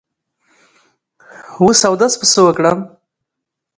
وس اودس په څۀ وکړم